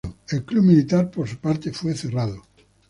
El Club Militar, por su parte, fue cerrado.